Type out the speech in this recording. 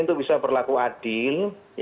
untuk bisa berlaku adil